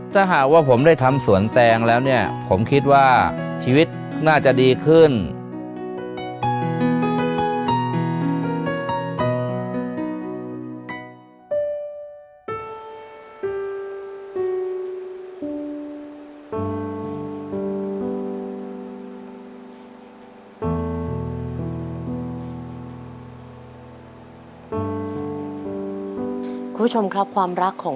ถ้าหากว่าผมได้ทำสวนแตงแล้วเนี่ยผมคิดว่าชีวิตน่าจะดีขึ้น